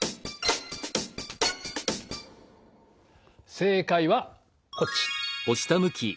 正解はこっち。